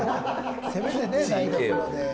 せめてね台所で。